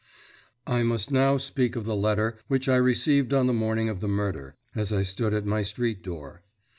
I must now speak of the letter which I received on the morning of the murder, as I stood at my street door.